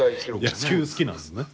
野球好きなんですね。